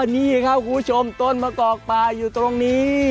นี่ครับคุณผู้ชมต้นมะกอกปลาอยู่ตรงนี้